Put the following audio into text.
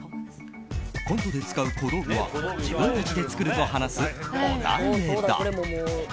コントで使う小道具は自分たちで作ると話すオダウエダ。